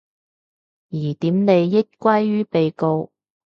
疑點利益歸於被告